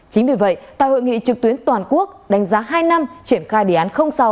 chính vì vậy tại hội nghị trực tuyến toàn quốc đánh giá hai năm triển khai đề án sáu